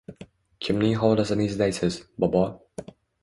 Kimning hovlisini izlaysiz, bobo?